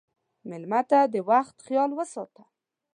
مېلمه ته د وخت خیال وساته.